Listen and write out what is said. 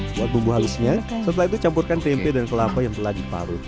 buat bumbu halusnya setelah itu campurkan tempe dan kelapa yang telah diparut